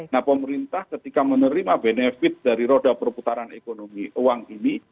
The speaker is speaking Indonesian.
nah pemerintah ketika menerima benefit dari roda perputaran ekonomi uang ini